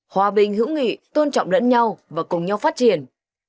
hòa bình hữu nghị tôn trọng lẫn nhau và cùng nhau phát triển